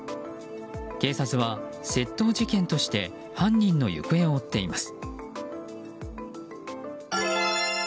警察は、窃盗事件として犯人の行方を追っています。